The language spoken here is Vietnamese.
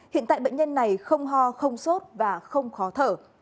hiện tại bệnh nhân này không ho không sốt và không khó thở